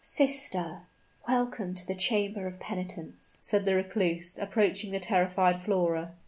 "Sister, welcome to the chamber of penitence!" said the recluse, approaching the terrified Flora.